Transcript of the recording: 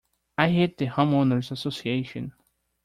I hate the Homeowners' Association.